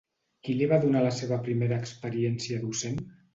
Qui li va donar la seva primera experiència docent?